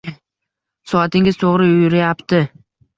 Soatingiz to'g'ri yurayapti.